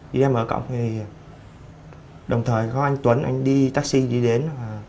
đi ra mở cổng thì đồng thời có anh tuấn anh đi taxi đi đến